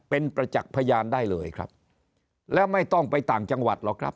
เป็นประจักษ์พยานได้เลยครับแล้วไม่ต้องไปต่างจังหวัดหรอกครับ